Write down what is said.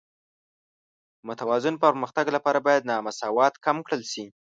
د متوازن پرمختګ لپاره باید نامساواتوب کم کړل شي.